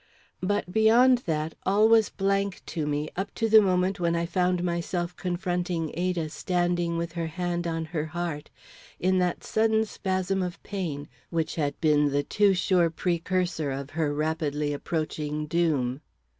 But beyond that all was blank to me up to the moment when I found myself confronting Ada standing with her hand on her heart in that sudden spasm of pain which had been the too sure precursor of her rapidly approaching doom.